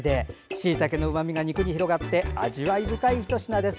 しいたけのうまみが肉に広がって味わい深いひと品です。